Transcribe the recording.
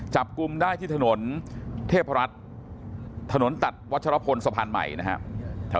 จับกลุ่มได้ที่ถนนเทพรัฐถนนตัดวัชรพลสะพานใหม่นะครับ